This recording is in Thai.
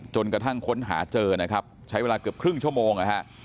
จนกระทั่งค้นหาเจอนะครับใช้เวลาเกือบครึ่งชั่วโมงนะฮะ